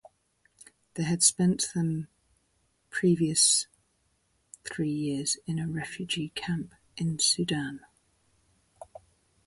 They had spent them previous three years in a refugee camp in Sudan.